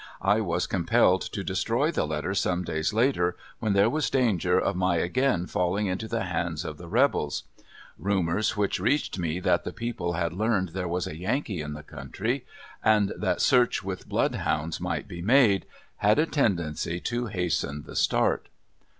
I was compelled to destroy the letter some days later, when there was danger of my again falling into the hands of the rebels. Rumors which reached me that the people had learned there was a Yankee in the country, and that search with blood hounds might be made, had a tendency to hasten the start.